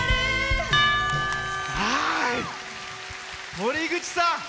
森口さん。